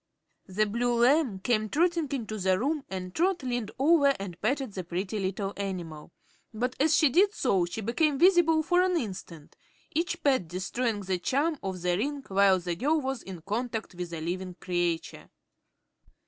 The blue lamb came trotting into the room and Trot leaned over and patted the pretty little animal; but as she did so she became visible for an instant, each pat destroying the charm of the ring while the girl was in contact with a living creature.